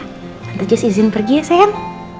tante jess izin pergi ya sayang